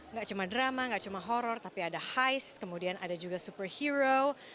nggak cuma drama gak cuma horror tapi ada high kemudian ada juga superhero